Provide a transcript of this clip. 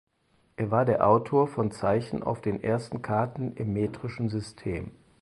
Er war der Autor von Zeichen auf den ersten Karten im Metrischen System.